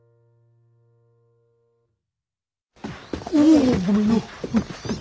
おおっごめんよ！